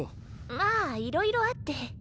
まぁいろいろあって。